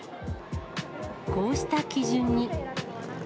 こうした基準に。